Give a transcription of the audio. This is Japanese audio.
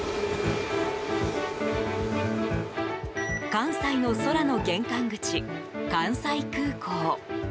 関西の空の玄関口、関西空港。